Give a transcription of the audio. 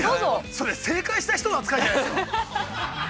◆それ、正解した人の扱いじゃないですか。